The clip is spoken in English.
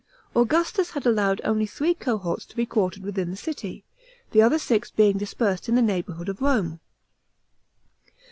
Augustus had allowed only three cohorts to be quartered within the city, the other six being dispersed in the neighbourhood of Rome.